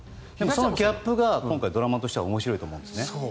そのギャップが今回、ドラマとしては面白いと思うんですね。